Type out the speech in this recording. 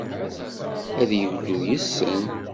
Ad yeglu yis-sen.